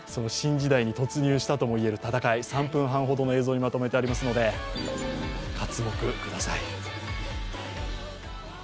新時代に突入したとも言える戦い、３分半ほどの映像にまとめてありますので、かつもくください。